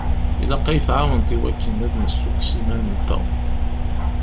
Ilaq ad yi-tɛawneḍ i wakken ad d-nessukkes iman-nteɣ.